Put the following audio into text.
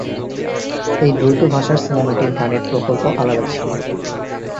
এই দ্বৈত ভাষার সিনেমাটির গানের প্রকল্প আলাদা ছিল।